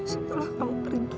setelah kamu pergi